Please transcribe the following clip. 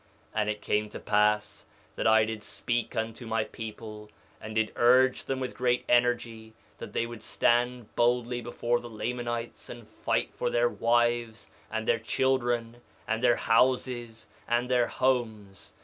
2:23 And it came to pass that I did speak unto my people, and did urge them with great energy, that they would stand boldly before the Lamanites and fight for their wives, and their children, and their houses, and their homes.